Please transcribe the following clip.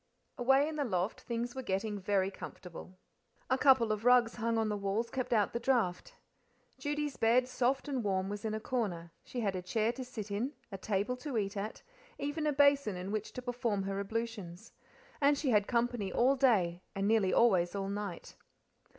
Away in the loft things were getting very comfortable. A couple of rugs hung on the walls kept out the draught. Judy's bed, soft and warm, was in a corner; she had a chair to sit in, a table to eat at, even a basin in which to perform her ablutions. And she had company all day; and nearly always all night.